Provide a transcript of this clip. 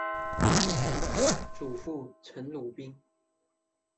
祖父陈鲁宾。